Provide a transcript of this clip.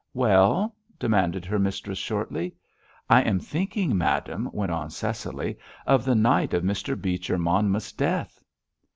"Well?" demanded her mistress shortly. "I am thinking, madame," went on Cecily, "of the night of Mr. Beecher Monmouth's death."